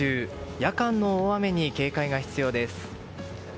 夜間の大雨に警戒が必要です。